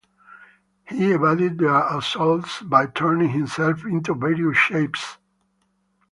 He evaded their assaults by turning himself into various shapes.